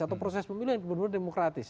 atau proses pemilu yang benar benar demokratis